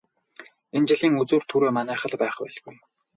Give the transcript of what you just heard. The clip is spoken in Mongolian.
Энэ жилийн үзүүр түрүү манайх л байх байлгүй.